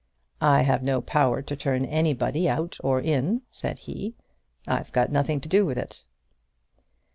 "I have no power to turn anybody out or in," said he. "I've got nothing to do with it."